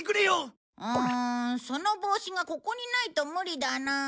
うーんその帽子がここにないと無理だなあ。